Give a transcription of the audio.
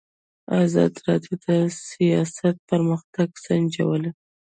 ازادي راډیو د سیاست پرمختګ سنجولی.